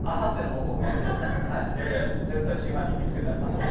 いやいや、絶対真犯人見つけたんだと思うよ。